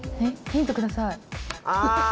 ヒントください。